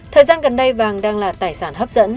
thời gian gần đây vàng đang là tài sản hấp dẫn